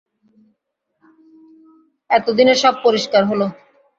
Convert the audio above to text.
এতদিনে সব পরিষ্কার হলো!